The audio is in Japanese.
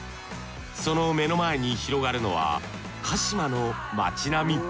その目の前に広がるのは鹿島の街並み。